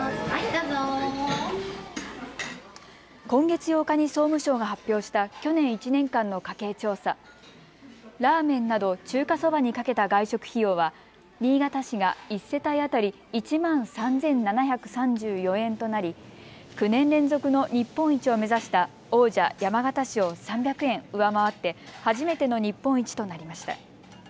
今月８日に総務省が発表した去年１年間の家計調査、ラーメンなど中華そばにかけた外食費用は新潟市が１世帯当たり１万３７３４円となり９年連続の日本一を目指した王者、山形市を３００円上回って初めての日本一となりました。